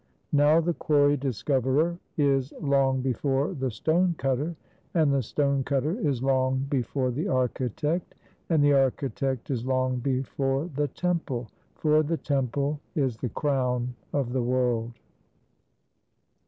Now the quarry discoverer is long before the stone cutter; and the stone cutter is long before the architect; and the architect is long before the temple; for the temple is the crown of the world.